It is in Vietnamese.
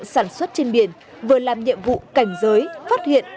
các tàu đánh bắt hải sản xuất trên biển vừa làm nhiệm vụ cảnh giới phát hiện